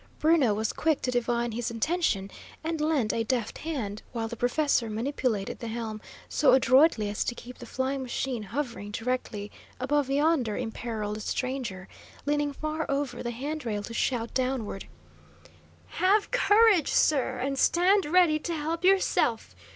Bruno was quick to divine his intention, and lent a deft hand, while the professor manipulated the helm so adroitly as to keep the flying machine hovering directly above yonder imperilled stranger, leaning far over the hand rail to shout downward: "Have courage, sir, and stand ready to help yourself!